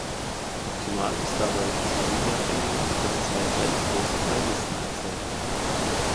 Optimal ist dabei das Median-Element, das zwei gleich große Teillisten erzeugt.